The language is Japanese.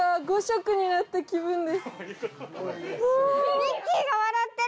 ミッキーが笑ってる！